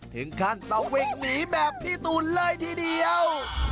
ถึงขั้นตะเวกหนีแบบพี่ตูนเลยทีเดียว